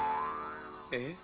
えっ